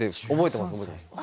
覚えてます。